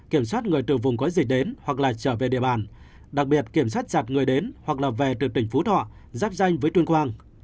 kiểm soát người từ vùng có dịch đến hoặc là trở về địa bàn đặc biệt kiểm soát chặt người đến hoặc là về từ tỉnh phú thọ giáp danh với tuyên quang